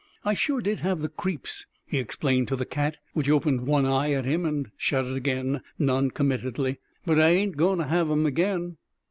"I sure did have the creeps," he explained to the cat, which opened one eye at him and shut it again noncommittally. "But I ain't a goin' to have 'em ag'in.